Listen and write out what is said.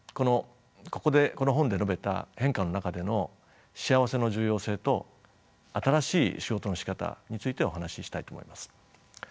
ここでこの本で述べた変化の中での幸せの重要性と新しい仕事のしかたについてお話ししたいと思います。